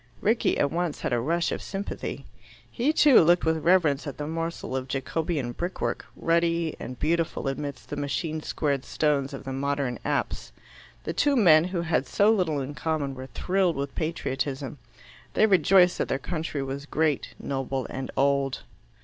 Rickie at once had a rush of sympathy. He, too, looked with reverence at the morsel of Jacobean brickwork, ruddy and beautiful amidst the machine squared stones of the modern apse. The two men, who had so little in common, were thrilled with patriotism. They rejoiced that their country was great, noble, and old.